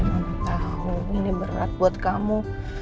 mama tau ini berat buat kamu